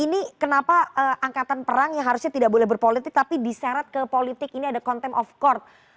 ini kenapa angkatan perang yang harusnya tidak boleh berpolitik tapi diseret ke politik ini ada contempt of court